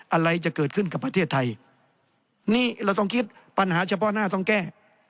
อะไรจะเกิดขึ้นกับประเทศไทยนี่เราต้องคิดปัญหาเฉพาะหน้าต้องแก้